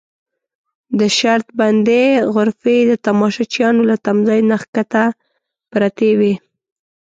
د شرط بندۍ غرفې د تماشچیانو له تمځای نه کښته پرتې وې.